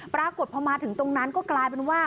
ปรากฏพอมาถึงตรงนั้นก็กลายเป็นว่า